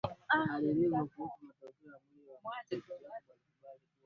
katika sehemu mbalimbali za tanzania